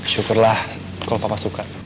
syukurlah kalau papa suka